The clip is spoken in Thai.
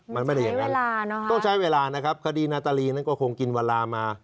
มันไม่ได้อย่างนั้นต้องใช้เวลานะครับคดีนาตาลีนั้นก็คงกินเวลามา